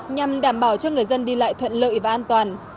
nhằm đảm bảo cho người dân đi lại thuận lợi và an toàn